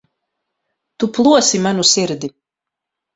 Tu plosi manu sirdi.